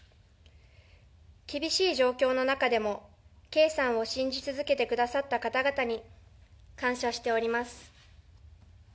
厳しい状況の中でも、圭さんを信じ続けてくださった方々に感謝しております。